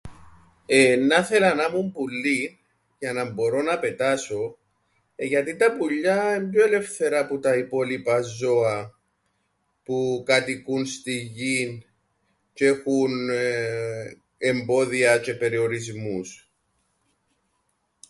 Εννά 'θελα να ’μουν πουλλίν για να μπορώ να πετάσω, γιατί τα πουλλιά εν' πιο ελεύθερα που τα υπόλοιπα ζώα που κατοικούν στην γην τζ̆αι έχουν εμπόδια τζ̆αι περιορισμούς.